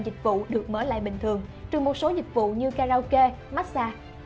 dịch vụ được mở lại bình thường trừ một số dịch vụ như karaoke massage